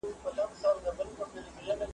هېري څرنگه د میني ورځی شپې سي .